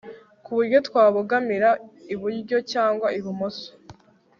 ku buryo twabogamira iburyo cyangwa ibumoso